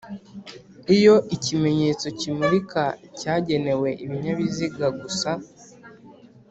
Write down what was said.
Iyo ikimenyetso kimurika cyagenewe ibinyabiziga gusa